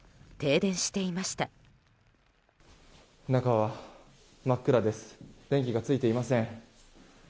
電気がついていません。